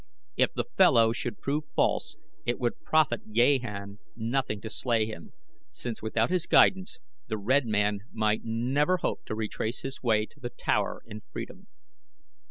If the fellow should prove false it would profit Gahan nothing to slay him, since without his guidance the red man might never hope to retrace his way to the tower and freedom.